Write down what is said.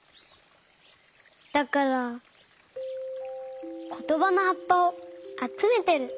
だからことばのはっぱをあつめてる。